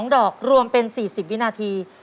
๒ดอกรวมเป็น๔๐วินาที